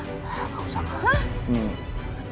gak usah enggak